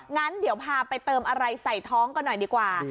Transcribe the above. งั้นเดี๋ยวพาไปเติมอะไรใส่ท้องกันหน่อยดีกว่า